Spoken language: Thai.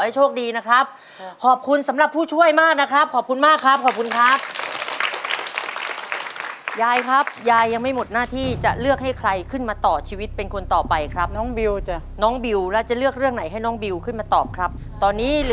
มีพลาสสองตัวนะครับมีพลาสสองตัวนะตาน่ะ